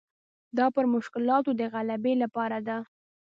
دا پر مشکلاتو د غلبې لپاره ده.